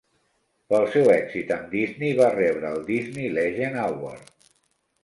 Pel seu èxit amb Disney va rebre el "Disney Legend Award".